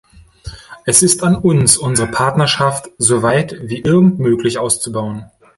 Es ist an uns, unsere Partnerschaft so weit wie irgend möglich auszubauen.